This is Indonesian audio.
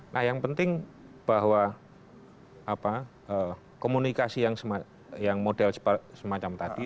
nah yang penting bahwa komunikasi yang model semacam tadi